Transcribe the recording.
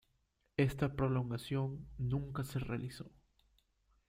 Esta prolongación nunca se realizó.